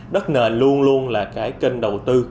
đất nền luôn luôn là cái kênh đầu tư